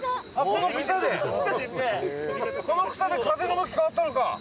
この草で風の向き変わったのか。